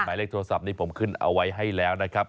หมายเลขโทรศัพท์นี้ผมขึ้นเอาไว้ให้แล้วนะครับ